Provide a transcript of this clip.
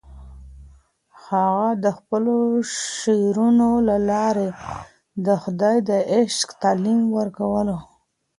هغه د خپلو شعرونو له لارې د خدای د عشق تعلیم ورکولو.